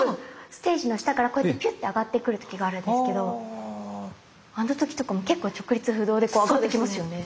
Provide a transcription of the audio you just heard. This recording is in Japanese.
ステージの下からこうやってピュって上がってくる時があるんですけどあの時とかも結構直立不動でこう上がってきますよね。